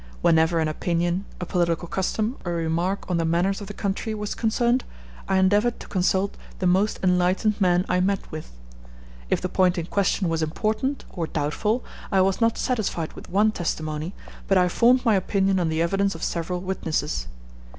Whenever an opinion, a political custom, or a remark on the manners of the country was concerned, I endeavored to consult the most enlightened men I met with. If the point in question was important or doubtful, I was not satisfied with one testimony, but I formed my opinion on the evidence of several witnesses.